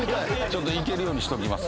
ちょっといけるようにしときます。